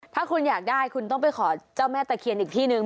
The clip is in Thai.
ถ้าคุณอยากได้คุณต้องไปขอเจ้าแม่ตะเคียนอีกที่นึง